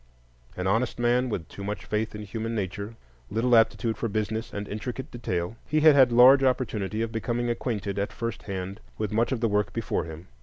An honest man, with too much faith in human nature, little aptitude for business and intricate detail, he had had large opportunity of becoming acquainted at first hand with much of the work before him.